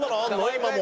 今も。